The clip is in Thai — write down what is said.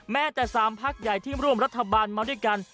แม้แต่๓พักใหญ่ที่ร่วมรัฐบาลมาด้วยกัน